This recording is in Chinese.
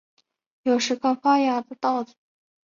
有时刚发芽的稻子